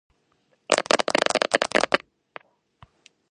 მოსკოვი კმაყოფილი იყო აღნიშნული ხელშეკრულების დადებით.